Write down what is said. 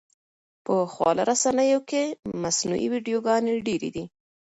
په خواله رسنیو کې مصنوعي ویډیوګانې ډېرې دي.